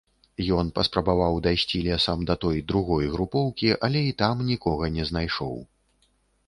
Ён паспрабаваў дайсці лесам да той другой групоўкі, але і там нікога не знайшоў.